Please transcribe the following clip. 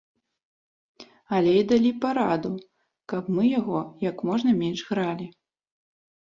Але і далі параду, каб мы яго як можна менш гралі.